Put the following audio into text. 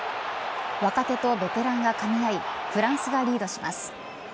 若手とベテランがかみ合いフランスがリードします。